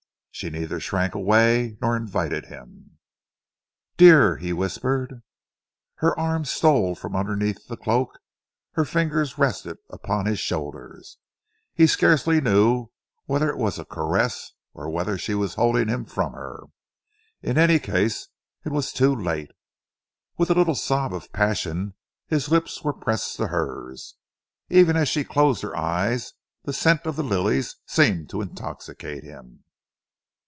She neither shrank away nor invited him. "Dear!" he whispered. Her arms stole from underneath the cloak, her fingers rested upon his shoulders. He scarcely knew whether it was a caress or whether she were holding him from her. In any case it was too late. With a little sob of passion his lips were pressed to hers. Even as she closed her eyes, the scent of the lilies seemed to intoxicate him.